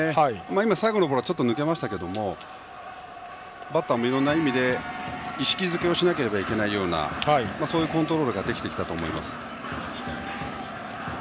今最後のボールはちょっと抜けましたけどもバッターもいろんな意味で意識づけをしなければいけないようなそういうコントロールができてきたと思います。